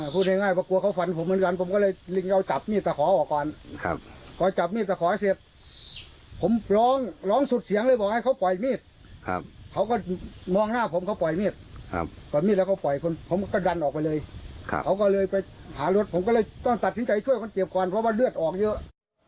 ผมก็เลยต้องตัดสินใจช่วยคนเจ็บขวานเพราะว่าเลือดออกเยอะ